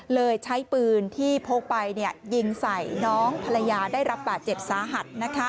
เลยใช้ปืนที่พกไปยิงใส่น้องภรรยาได้รับบาดเจ็บสาหัส